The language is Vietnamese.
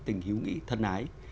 tình hiếu nghĩ thân ái